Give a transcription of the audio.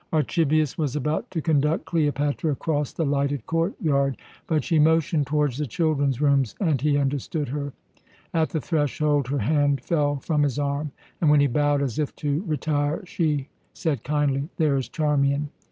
Archibius was about to conduct Cleopatra across the lighted court yard, but she motioned towards the children's rooms, and he understood her. At the threshold her hand fell from his arm, and when he bowed as if to retire, she said kindly: "There is Charmian.